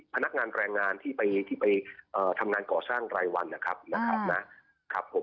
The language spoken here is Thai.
พนักงานแรงงานที่ไปที่ไปทำงานก่อสร้างรายวันนะครับนะครับผม